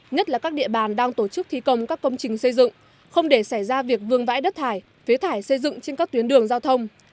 nhất là các địa bàn đang tổ chức thi công các công trình xây dựng không để xảy ra việc vương vãi đất thải phế thải xây dựng trên các tuyến đường giao thông